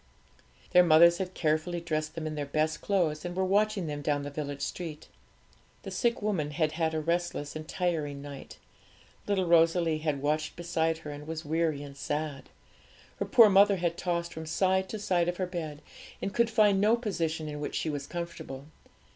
Their mothers had carefully dressed them in their best clothes, and were watching them down the village street. The sick woman had had a restless and tiring night. Little Rosalie had watched beside her, and was weary and sad. Her poor mother had tossed from side to side of her bed and could find no position in which she was comfortable.